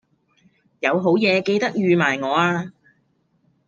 有好嘢記得預埋我呀